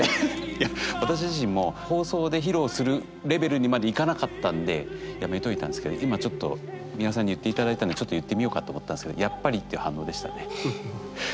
いや私自身も放送で披露するレベルにまでいかなかったんでやめといたんですけど今ちょっと美輪さんに言っていただいたんで言ってみようかと思ったんですけどやっぱりっていう反応でしたね。